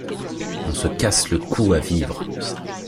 On se casse le cou à vivre.